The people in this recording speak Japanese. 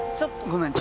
ごめん。